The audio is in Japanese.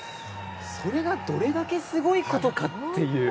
それがどれだけすごいことか。